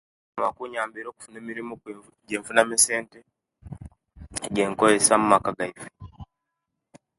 Okusoma kunnyambire okufuna emirimu ejenfuna mu esente eje nkozesia mumaka gaife